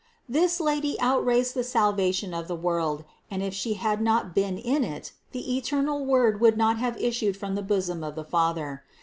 This Lady outraced the salvation of the world, and if She had not been in it, the eternal Word would not have issued from the bosom of the Father.